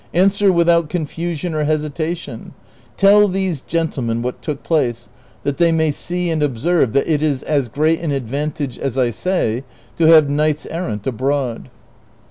Answer without confusion or hesitation ; tell these gentlemen what took place, that they may see and observe that it is as great an advantage as I say to have kniglits errant abroad."